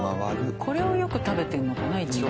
これをよく食べてるのかな一番。